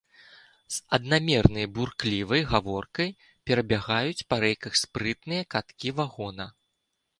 З аднамернай бурклівай гаворкай перабягаюць па рэйках спрытныя каткі вагона.